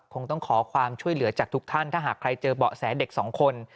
คงต้องขอความช่วยเหลือจากทุกท่านถ้าหากใครเจอเบาะแสเด็กสองคน